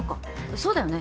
そうだよね。